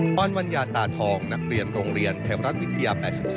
อนวัญญาตาทองนักเรียนโรงเรียนไทยรัฐวิทยา๘๔